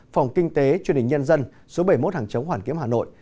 phòng kinh tế truyền hình nhân dân số bảy mươi một hàng chống hoàn kiếm hà nội